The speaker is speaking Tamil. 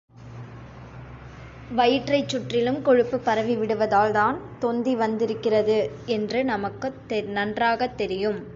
வயிற்றைச் சுற்றிலும் கொழுப்புப் பரவி விடுவதால் தான் தொந்தி வந்திருக்கிறது என்று நமக்கு நன்றாகத் தெரியும்.